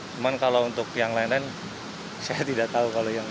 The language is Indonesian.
cuma kalau untuk yang lain lain saya tidak tahu